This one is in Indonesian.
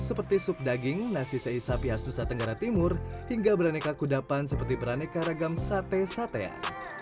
seperti sup daging nasi sei sapi khas nusa tenggara timur hingga beraneka kudapan seperti beraneka ragam sate satean